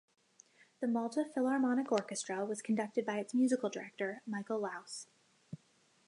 The Malta Philharmonic Orchestra was conducted by its Musical Director, Michael Laus.